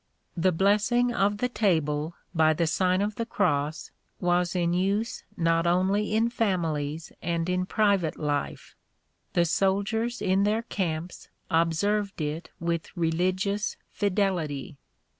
"J The blessing of the table by the Sign of the Cross was in use not only in families and in private life; the soldiers in their camps observed it with religious fidelity.